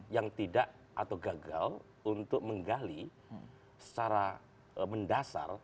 yang tidak atau gagal untuk menggali secara mendasar